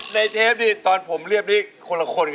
เทปนี่ตอนผมเรียบนี่คนละคนกัน